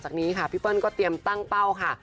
จากนี้ค่ะพี่เปิ้ลก็เตรียมตั้งเป้าค่ะ